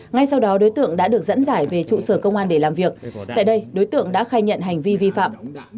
ngay sau đó đối tượng đã được dẫn giải về trụ sở công an để làm việc tại đây đối tượng đã khai nhận hành vi vi phạm